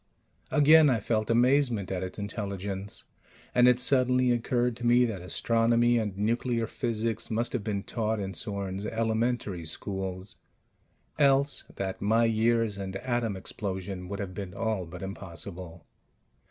Again I felt amazement at its intelligence; (and it suddenly occurred to me that astronomy and nuclear physics must have been taught in Sorn's "elementary schools" else that my years and atom explosion would have been all but impossible).